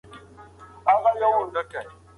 په نړۍ کي هیڅ شی بې حکمه نه وي.